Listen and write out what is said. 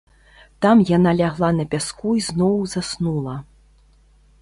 Там яна лягла на пяску і зноў заснула.